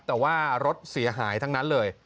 แต่ว่ารถเสียหายทั้งนั้นเลย